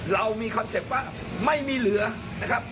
เรามีคอนเซ็ปต์ว่าไม่มีเหลือนะครับ